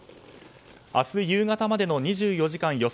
明日夕方までの２４時間予想